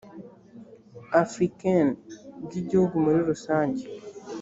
africaines bw igihugu muri rusange